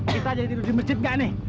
kita harus tidur di masjid bukan